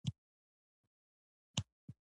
موږ ټول د ښاخونو او خس پر پرې کولو بوخت شو.